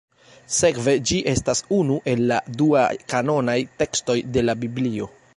Sekve ĝi estas unu el la dua-kanonaj tekstoj de la Biblio.